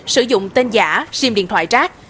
sử dụng tên giả xim điện thoại trác